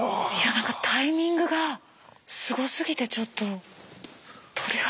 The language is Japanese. なんかタイミングがすごすぎてちょっと鳥肌。